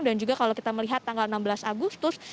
dan juga kalau kita melihat tanggal enam belas agustus